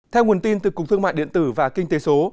theo nguồn tin từ cục thương mại điện tử và kinh tế số